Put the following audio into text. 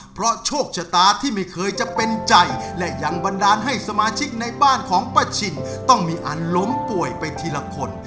เพราะโชคชะตาที่ไม่เคยจะเป็นใจและยังบันดาลให้สมาชิกในบ้านของป้าชินต้องมีอันล้มป่วยไปทีละคน